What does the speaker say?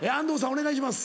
お願いします。